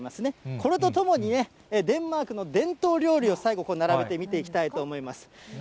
これと共にね、デンマークの伝統料理を最後、並べて見ていきたいと思います。